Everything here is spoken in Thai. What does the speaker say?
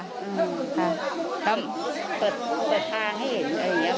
เปิดทางให้เห็นอย่างนี้